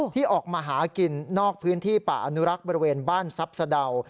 ที่ออกมาหากินนอกพื้นที่ป่าอนุรักษ์บริเวณบ้านทรัพย์สะดาว